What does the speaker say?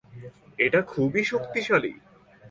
এটা খুবই শক্তিশালী।